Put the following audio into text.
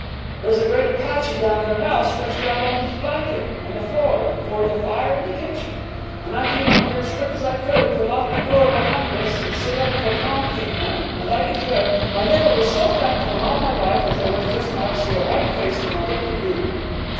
There's a great Apache down there now, stretched out in his blanket on the floor, before the fire in the kitchen. And I came up here as quick as I could, to lock the door behind us and sit up till Tom came home, and I declare, I never was so thankful in all my life as I was just now to see a white face when I looked at you!"